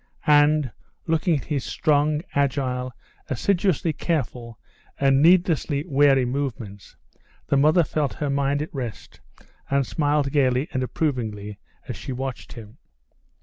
And, looking at his strong, agile, assiduously careful and needlessly wary movements, the mother felt her mind at rest, and smiled gaily and approvingly as she watched him.